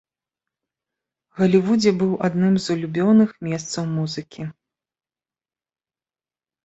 Галівудзе быў адным з улюбёных месцаў музыкі.